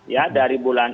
ya dari bulan